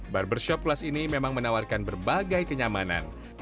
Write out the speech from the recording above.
barbershop plus ini memang menawarkan berbagai kenyamanan